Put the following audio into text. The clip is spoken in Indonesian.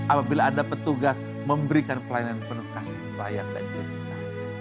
apabila anda petugas memberikan pelayanan penuh kasih sayang dan cinta